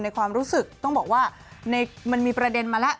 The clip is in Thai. ความรู้สึกต้องบอกว่ามันมีประเด็นมาแล้ว